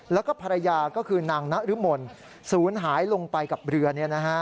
แล้วก็ภรรยาก็คือนางนรมนศูนย์หายลงไปกับเรือ